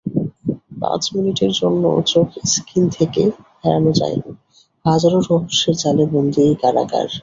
পাঁচ মিনিটের জন্যেও চোখ স্কিন থেকে ফেরানো যায়নি। হাজারো রহস্যের জ্বালে বন্দী এই কারাগার।